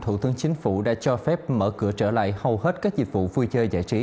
thủ tướng chính phủ đã cho phép mở cửa trở lại hầu hết các dịch vụ vui chơi giải trí